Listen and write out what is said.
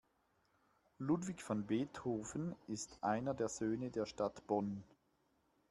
Ludwig van Beethoven ist einer der Söhne der Stadt Bonn.